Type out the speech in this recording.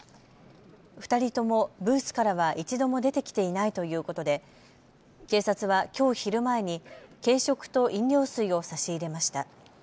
２人ともブースからは一度も出てきていないということで警察は、きょう昼前に軽食と飲料水を差し入れました。